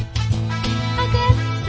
agar semua tak berakhir